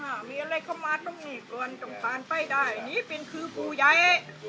ถ้ามีอะไรเข้ามาตรงนี้ก่อนต้องผ่านไปได้นี่เป็นคือผู้ใหญ่